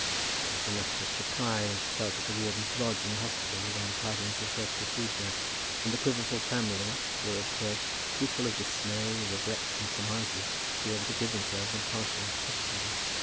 There was the natural surprise felt at the Warden's lodge in the Hospital when the tidings were first received there, and the Quiverful family was at first too full of dismay, regrets and surmises, to be able to give themselves impartially to criticism.